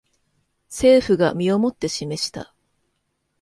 政府が身をもって示した